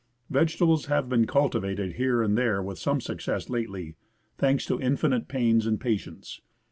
Vegetables have been cultivated here and there with some success lately, thanks to infinite pains and patience.